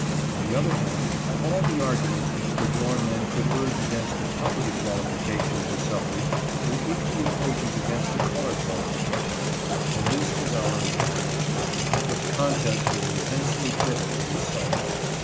On the other hand, all the arguments which the Dorr men could urge against a property qualification for suffrage were equally cogent against a color qualification, and this was our advantage. But the contest was intensely bitter and exciting.